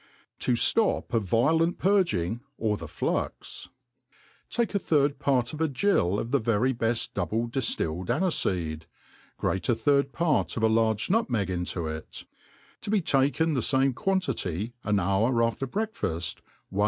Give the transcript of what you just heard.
7i Jlop a violent Purghg^ or the Plnx, . TAKE a third part of a giTl 0/ the very beft double dif tilUd anlfefecd ; grate a third part of a large nutnpeg into it., Tv7 be taken, the famp quantity an hour after breakfaft, one.